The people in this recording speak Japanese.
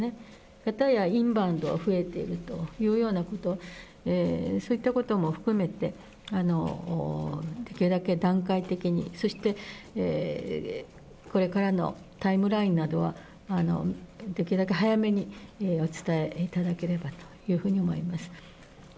かたやインバウンドも増えているというようなこと、そういったことも含めて、できるだけ段階的に、そしてこれからのタイムラインなどは、できるだけ早めにお伝えいただければというふうに思います。